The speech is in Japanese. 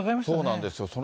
そうなんですよ。